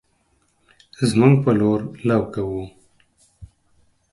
زمونږ په لور لو کوو